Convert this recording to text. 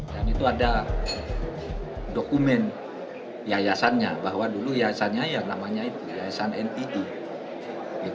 dan itu ada dokumen yayasannya bahwa dulu yayasannya yang namanya itu yayasan ntd